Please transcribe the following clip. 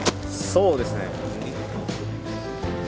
そうですね。